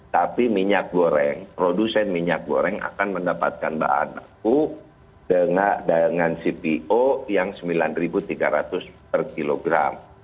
tapi minyak goreng produsen minyak goreng akan mendapatkan bahan baku dengan cpo yang rp sembilan tiga ratus per kilogram